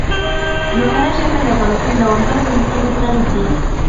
ځمکنی شکل د افغانستان د دوامداره پرمختګ لپاره اړین دي.